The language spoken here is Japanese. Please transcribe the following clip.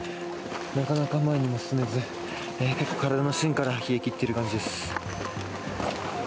なかなか前にも進めず体の芯から冷え切っている感じです。